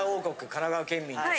神奈川県民として。